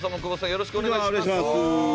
よろしくお願いします。